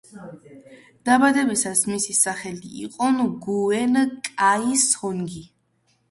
დაბადებისას მისი სახელი იყო ნგუენ კაი სონგი.